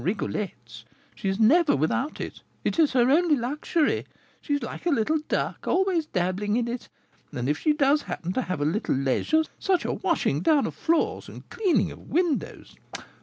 Rigolette's, she is never without it; it is her only luxury, she is like a little duck, always dabbling in it; and if she does happen to have a little leisure, such a washing down of floors and cleaning of windows!